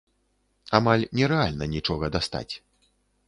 Амаль нерэальна нічога дастаць.